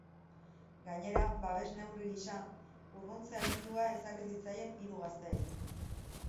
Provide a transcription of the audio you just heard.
Gainera, babes neurri gisa, urruntze agindua ezarri zitzaien hiru gazteei.